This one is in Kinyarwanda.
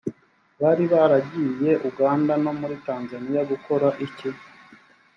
bari baragiye uganda no muri tanzaniya gukora iki